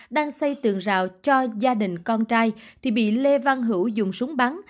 đang xây tường rào cho gia đình con trai thì bị lê văn hữu dùng súng bắn